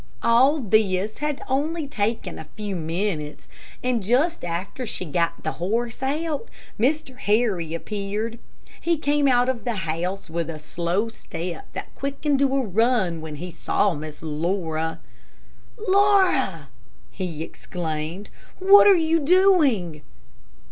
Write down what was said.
All this had only taken a few minutes, and just after she got the horse out, Mr. Harry appeared. He came out of the house with a slow step, that quickened to a run when he saw Miss Laura. "Laura!" he exclaimed, "what are you doing?"